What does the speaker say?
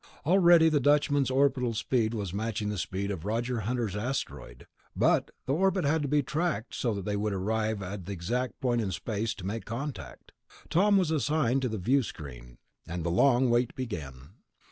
Already the Dutchman's orbital speed was matching the speed of Roger Hunter's asteroid ... but the orbit had to be tracked so that they would arrive at the exact point in space to make contact. Tom was assigned to the viewscreen, and the long wait began.